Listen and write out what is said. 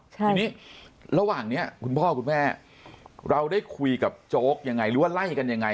ทีนี้ระหว่างนี้คุณพ่อคุณแม่เราได้คุยกับโจ๊กยังไงหรือว่าไล่กันยังไง